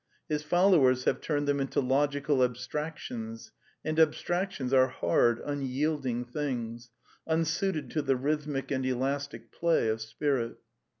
His followers have turned them into logical abstractions, and abstractions are hard, unyielding things, unsuited to the rhythmic and elastic play of Spirit.